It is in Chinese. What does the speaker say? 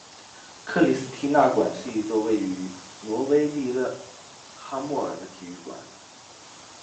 克里斯蒂娜馆是一座位于挪威利勒哈默尔的体育馆。